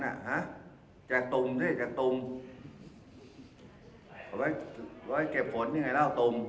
ฮะแจกตุ่มสิแจกตุ่มเอาไว้ไว้เก็บผลนี่ไงเล่าตุ่ม